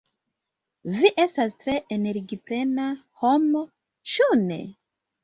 "Vi estas tre energiplena homo, ĉu ne?"